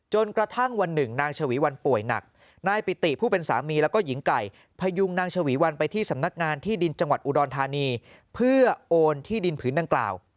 จนกระทั่งวันหนึ่งนางฉวีวันป่วยหนักนายปิติผู้เป็นสามีแล้วก็หญิงไก่พยุงนางฉวีวันไปที่สำนักงานที่ดินจังหวัดอุดรธานีเพื่อโอนที่ดินผืนดังกล่าว